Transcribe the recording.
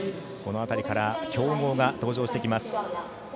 この辺りから強豪が登場してきます。